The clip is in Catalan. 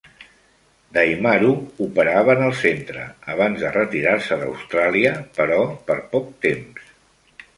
Daimaru operava en el centre abans de retirar-se d'Austràlia, però per poc temps.